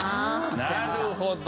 なるほど。